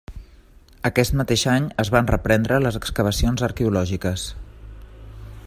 Aquest mateix any, es van reprendre les excavacions arqueològiques.